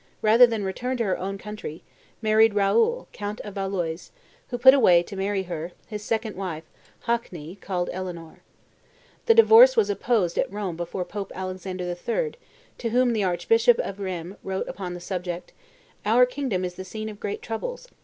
rather than return to her own country, married Raoul, count of Valois, who put away, to marry her, his second wife, Haqueney, called Eleonore. The divorce was opposed at Rome before Pope Alexander II., to whom the archbishop of Rheims wrote upon the subject, "Our kingdom is the scene of great troubles.